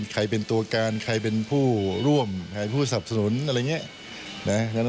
ใครเป็นตัวการใครเป็นผู้ร่วมใครผู้สับสนุนอะไรอย่างนี้